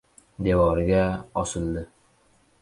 Devorga osildi.